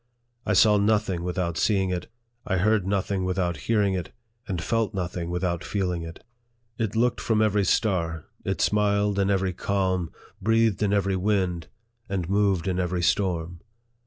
I saw nothing without seeing it, I heard nothing without hearing it, and felt nothing without feeling it. It looked from every star, it smiled in every calm, breathed in every wind, and moved in every storm.